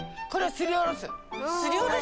すりおろす。